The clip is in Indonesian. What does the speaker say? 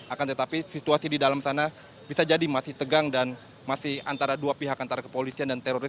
akan tetapi situasi di dalam sana bisa jadi masih tegang dan masih antara dua pihak antara kepolisian dan teroris